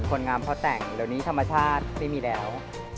ผลงามเพราะแต่งตอนนี้ธรรมชาติไม่มีแล้ว